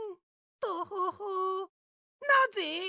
トホホなぜ？